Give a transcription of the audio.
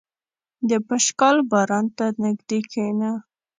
• د پشکال باران ته نږدې کښېنه.